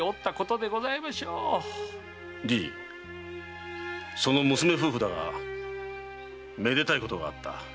じいその娘夫婦だがめでたいことがあった。